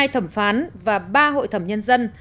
hai thẩm phán và ba hội thẩm nhân dân